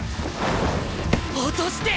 落として。